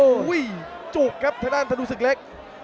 โอ้ยจุกครับทะนานทะนุสึกเล็ก